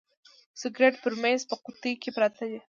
سګرېټ پر میز په قوطۍ کي پراته دي.